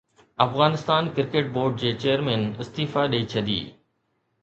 Afghanistan cricket board جي chairman استعيفيٰ ڏئي ڇڏي